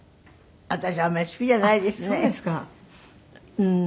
私あんまり好きじゃないですね。